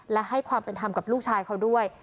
และให้ความเป็นธรรมกับลูกชายเขาด้วย